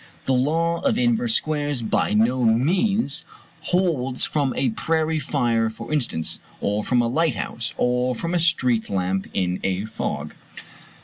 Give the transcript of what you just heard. The law of inverse squares by no means holds from a prairie fire for instance, or from a lighthouse, or from a street lamp in a fog.